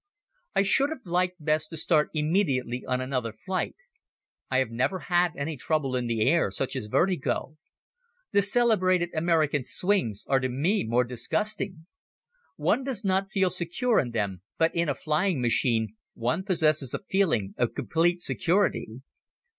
I should have liked best to start immediately on another flight. I have never had any trouble in the air such as vertigo. The celebrated American swings are to me disgusting. One does not feel secure in them, but in a flying machine one possesses a feeling of complete security.